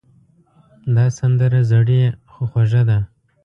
دا سندره زړې خو خوږه ده.